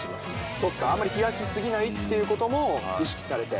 そうか、あんまり冷やし過ぎないということも意識されて。